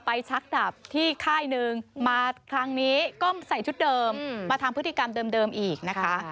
ชักดับที่ค่ายหนึ่งมาครั้งนี้ก็ใส่ชุดเดิมมาทำพฤติกรรมเดิมอีกนะคะ